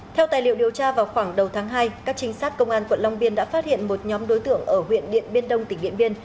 theo tài liệu điều tra vào khoảng đầu tháng hai các trinh sát công an quận long biên đã phát hiện một nhóm đối tượng ở huyện điện biên đông tỉnh điện biên